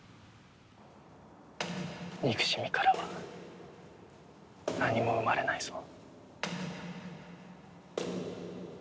憎しみからは何も生まれないぞ。